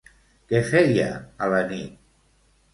Què feia a la nit?